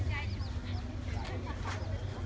สวัสดีครับคุณผู้ชาย